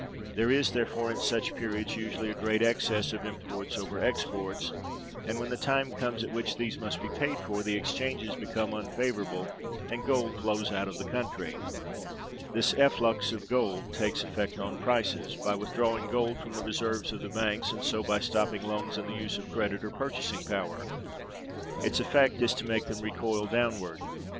There is, therefore, in such periods, usually a great excess of imports over exports; and, when the time comes at which these must be paid for, the exchanges become unfavorable and gold flows out of the country. This efflux of gold takes effect on prices [by withdrawing gold from the reserves of the banks, and so by stopping loans and the use of credit, or purchasing power]: its effect is to make them recoil downward.